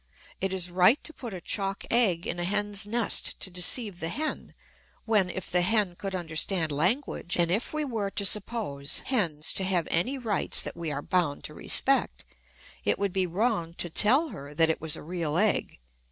It is right to put a chalk egg in a hen's nest to deceive the hen, when, if the hen could understand language, and if we were to suppose hens "to have any rights that we are bound to respect," it would be wrong to tell her that it was a real egg.